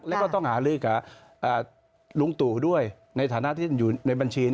แล้วก็ต้องหาลือกับลุงตู่ด้วยในฐานะที่อยู่ในบัญชี